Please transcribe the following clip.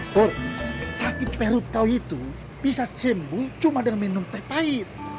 kok sakit perut kau itu bisa simbol cuma dengan minum teh pahit